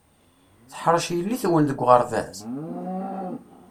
Teḥṛec yelli-twen deg uɣerbaz?